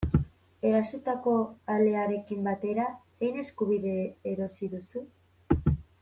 Erositako alearekin batera, zein eskubide erosi duzu?